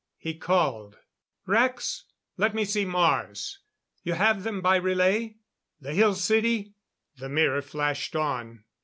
He called: "Rax let me see Mars you have them by relay? The Hill City?" The mirror flashed on.